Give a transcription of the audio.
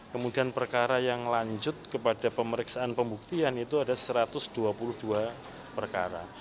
kemudian perkara yang lanjut kepada pemeriksaan pembuktian itu ada satu ratus dua puluh dua perkara